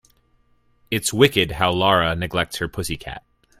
It's wicked how Lara neglects her pussy cat.